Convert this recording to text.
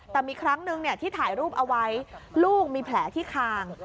แต่มีครั้งนึงที่ถ่ายรูปเอาไว้ลูกมีแผลที่คาง